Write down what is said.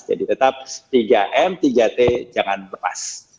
jadi tetap tiga m tiga t jangan lepas